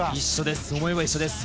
思いは一緒です。